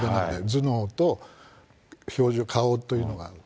頭脳と表情、顔というのがある。